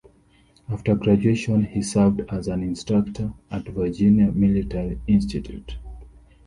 After graduation, he served as an instructor at Virginia Military Institute.